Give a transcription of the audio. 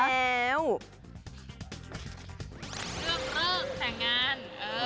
เรื่องเลิกแต่งงาน